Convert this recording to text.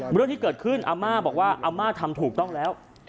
เรื่องที่เกิดขึ้นอาม่าบอกว่าอาม่าทำถูกต้องแล้ว